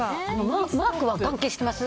マークは関係してます？